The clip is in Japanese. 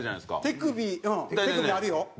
手首あるよ。